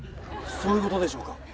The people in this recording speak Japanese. そういうことでしょうか。